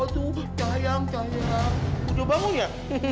oh tuh sayang sayang udah bangun ya